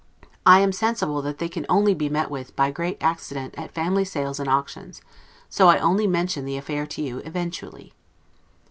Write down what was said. I am sensible that they can only be met with, by great accident, at family sales and auctions, so I only mention the affair to you eventually.